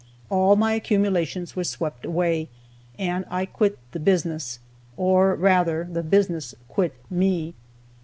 All my accumulations were swept away, and I quit the business or, rather, the business quit me.